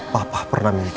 papa pernah minta